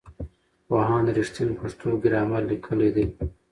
پوهاند رښتین پښتو ګرامر لیکلی دی.